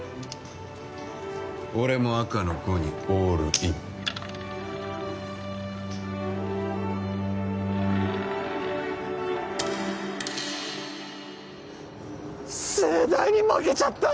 俺も赤の５にオールイン盛大に負けちゃった！